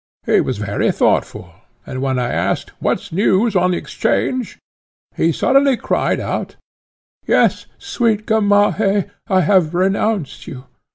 He was very thoughtful, and when I asked 'What news on 'Change?' he suddenly cried out, 'Yes, sweet Gamaheh! I have renounced you!